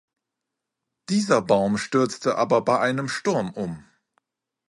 Dieser Baum stürzte aber bei einem Sturm um.